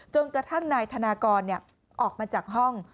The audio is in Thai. กระทั่งนายธนากรออกมาจากห้อง